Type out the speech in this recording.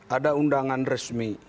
ada undangan resmi